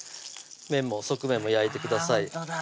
面も側面も焼いてください